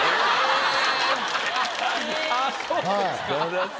あぁそうですか。